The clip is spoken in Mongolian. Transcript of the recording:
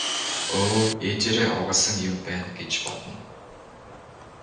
Өө ээжээрээ овоглосон юм байна гэж бодно.